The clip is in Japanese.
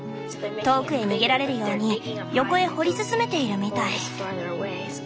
遠くへ逃げられるように横へ掘り進めているみたい。